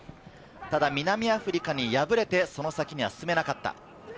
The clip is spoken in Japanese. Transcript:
ただ南アフリカに敗れて、その先に進めなかった。